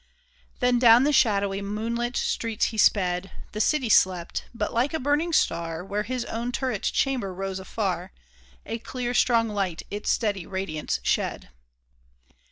Then down the shadowy, moonlit streets he sped ; The city slept ; but like a burning star, Where his own turret chamber rose afar, A clear, strong light its steady radiance shed